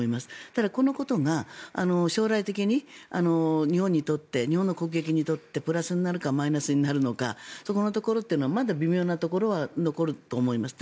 ただ、このことが将来的に日本にとって日本の国益にとってプラスになるのかマイナスになるのかそこのところはまだ微妙なところは残ると思います。